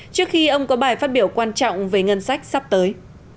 trước khi ông có bài phát biểu quan trọng về ngân sách sắp tới